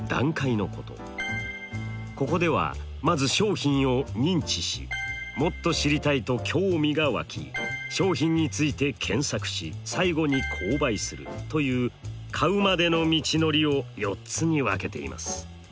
ここではまず商品を認知しもっと知りたいと興味が湧き商品について検索し最後に購買するという買うまでの道のりを４つに分けています。